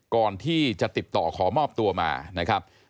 ก่อนที่จะติดต่อขอมอบตัวมานะครับ